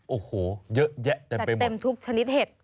โอ้โหเยอะแยะเต็มไปหมดเต็มทุกชนิดเห็ด